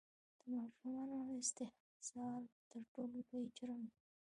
د ماشومانو استحصال تر ټولو لوی جرم دی!